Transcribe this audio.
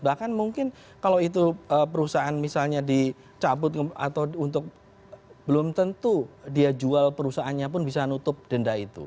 bahkan mungkin kalau itu perusahaan misalnya dicabut atau untuk belum tentu dia jual perusahaannya pun bisa nutup denda itu